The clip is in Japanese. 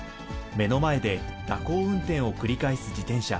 目の前で蛇行運転を繰り返す自転車。